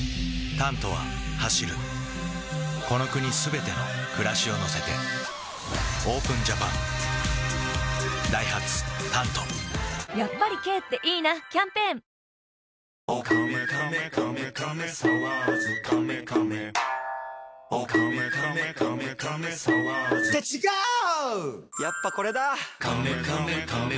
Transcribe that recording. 「タント」は走るこの国すべての暮らしを乗せてＯＰＥＮＪＡＰＡＮダイハツ「タント」やっぱり軽っていいなキャンペーンじゃーん！